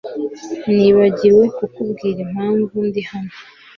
Nibagiwe kukubwira impamvu ndi hano